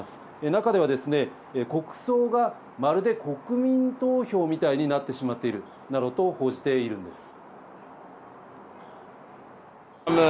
中では、国葬がまるで国民投票みたいになってしまっているなどと報じているんです。